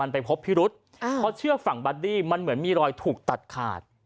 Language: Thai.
ไปพบพิรุษเพราะเชือกฝั่งบัดดี้มันเหมือนมีรอยถูกตัดขาด